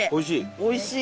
おいしい？